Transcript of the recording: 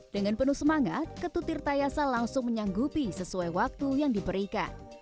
dengan penuh semangat ketutir tayasa langsung menyanggupi sesuai waktu yang diberikan